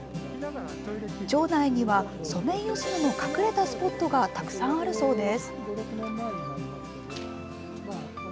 町内には、ソメイヨシノの隠れたスポットがたくさんあるそうです。